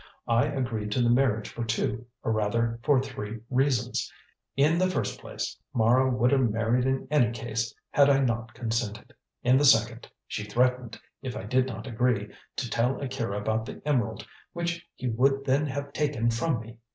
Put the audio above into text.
I agreed to the marriage for two, or rather, for three reasons. In the first place, Mara would have married in any case had I not consented. In the second, she threatened, if I did not agree, to tell Akira about the emerald, which he would then have taken from me.